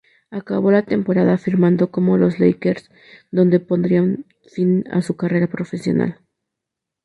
Acabó la temporada firmando con los Lakers, donde pondría fin a su carrera profesional.